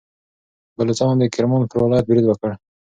بلوڅانو د کرمان پر ولایت برید وکړ.